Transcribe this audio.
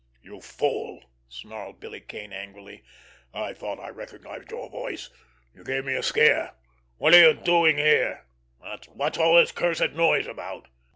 "You fool!" snarled Billy Kane angrily. "I thought I recognized your voice! You gave me a scare! What are you doing here? What's all this cursed noise about?"